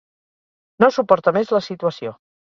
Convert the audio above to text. No suporta més la situació.